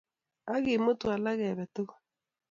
Ak kimutu alaka, kebe tugul